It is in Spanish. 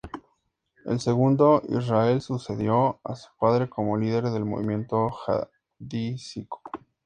El segundo, Israel, sucedió a su padre como líder del movimiento jasídico.